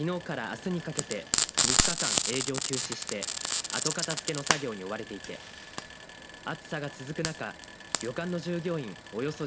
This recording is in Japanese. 旅館ではきのうからあすにかけて３日間、営業を休止して後片づけの作業に追われていて暑さが続く中旅館の従業員